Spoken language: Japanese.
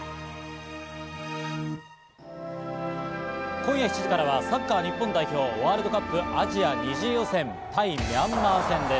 今夜７時からはサッカー日本代表、ワールドカップ・アジア２次予選、対ミャンマー戦です。